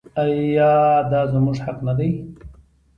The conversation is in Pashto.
آیا دا زموږ حق نه دی؟